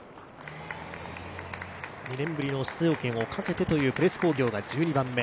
２年ぶりの出場権をかけてというプレス工業が１２番目。